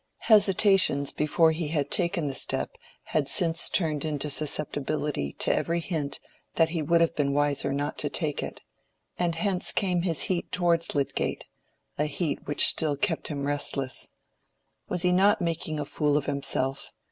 Hesitations before he had taken the step had since turned into susceptibility to every hint that he would have been wiser not to take it; and hence came his heat towards Lydgate—a heat which still kept him restless. Was he not making a fool of himself?